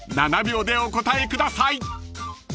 ［７秒でお答えください］